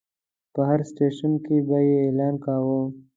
په هر سټیشن کې به یې اعلان کاوه.